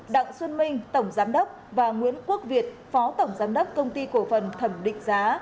đặng xuân minh tổng giám đốc và nguyễn quốc việt phó tổng giám đốc công ty cổ phần thẩm định giá